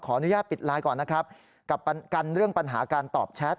อนุญาตปิดไลน์ก่อนนะครับกับกันเรื่องปัญหาการตอบแชท